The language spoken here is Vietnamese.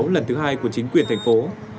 lần thứ hai của chính quyền thành phố